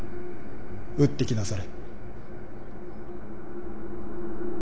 打ってきなされ。